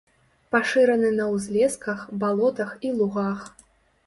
Пашыраны на ўзлесках, балотах і лугах.